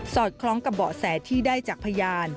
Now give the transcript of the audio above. อดคล้องกับเบาะแสที่ได้จากพยาน